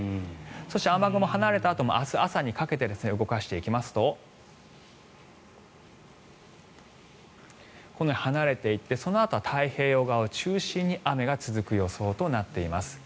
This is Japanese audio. そして雨雲離れたあとも明日朝にかけて動かしていきますとこのように離れていってそのあとは太平洋側を中心に雨が続く予想となっています。